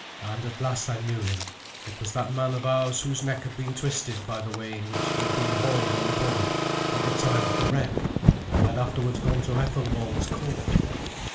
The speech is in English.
And at last I knew him. It was that man of ours whose neck had been twisted by the way in which he had been hauled on board at the time of the wreck, and had afterwards gone to Ethelwald's court.